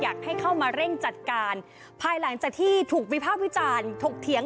อยากให้เข้ามาเร่งจัดการภายหลังจากที่ถูกวิภาควิจารณ์ถกเถียง